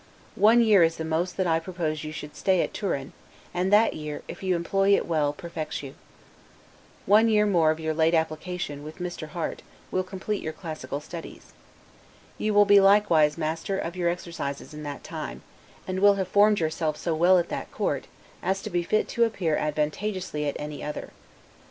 One year is the most that I propose you should stay at Turin; and that year, if you employ it well, perfects you. One year more of your late application, with Mr. Harte, will complete your classical studies. You will be likewise master of your exercises in that time; and will have formed yourself so well at that court, as to be fit to appear advantageously at any other.